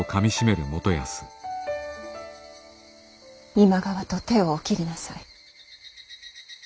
今川と手をお切りなさい。